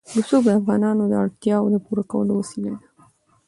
رسوب د افغانانو د اړتیاوو د پوره کولو وسیله ده.